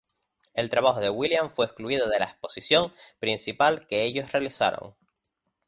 El trabajo de Williams fue excluido de la exposición principal que ellos realizaron.